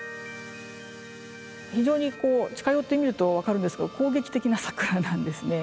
非常にこう近寄ってみると分かるんですけど攻撃的な桜なんですね。